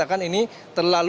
oke kenapa begitu kenapa begitu